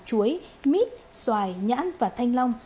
chuối mít xoài nhãn và thanh long